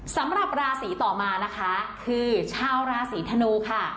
สำหรับราศีต่อมานะคะคือชาวราศีธนูค่ะ